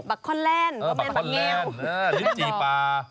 แบบคนแหลนแบบคนแหลนอ่าลิฟจีปา